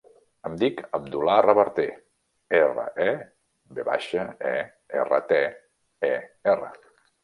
Em dic Abdullah Reverter: erra, e, ve baixa, e, erra, te, e, erra.